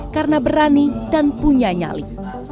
karena berani dan punya nyali